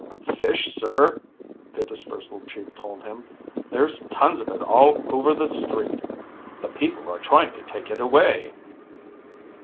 "Fish, sir," the Dispersal Chief told him. "There's tons of it all over the street. The people are trying to take it away."